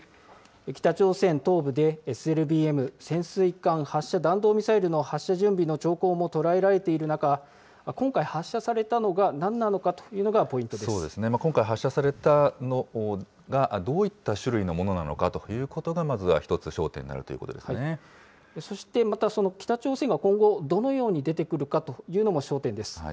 北朝鮮東部でＳＬＢＭ・潜水艦発射弾道ミサイルの発射準備の兆候も捉えられている中、今回、発射されたのがなんなのかというのが今回発射されたのがどういった種類のものなのかということが、まずは一つ、焦点になるというこそして、また北朝鮮が今後、どのように出てくるかというのも焦点です。